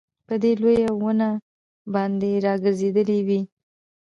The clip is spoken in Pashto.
په دې لويه ونه باندي راګرځېدلې وې